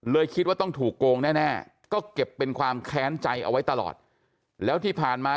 คิดว่าต้องถูกโกงแน่ก็เก็บเป็นความแค้นใจเอาไว้ตลอดแล้วที่ผ่านมา